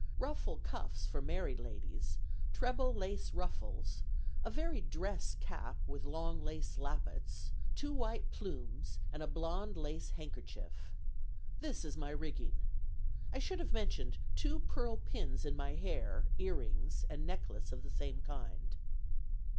Ruffle cuffs for married ladies, treble lace ruffles, a very dress cap with long lace lappets, two white plumes, and a blonde lace handkerchief. This is my rigging. I should have mentioned two pearl pins in my hair, ear rings and necklace of the same kind."